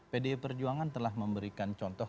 pdi perjuangan telah memberikan contoh